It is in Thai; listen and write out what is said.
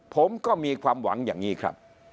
ผมก็มีความหวังอย่างนี้ครับ